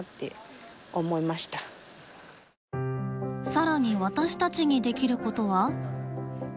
更に私たちにできることは？